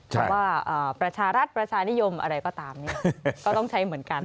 ว่าประชารัฐประชานิยมอะไรก็ตามก็ต้องใช้เหมือนกัน